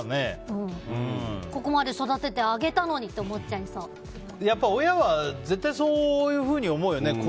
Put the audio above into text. ここまで育ててあげたのにってやっぱり親は絶対そういうふうに思うよね。